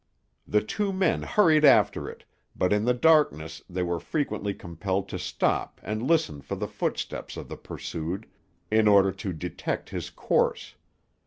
The two men hurried after it, but in the darkness they were frequently compelled to stop and listen for the footsteps of the pursued, in order to detect his course.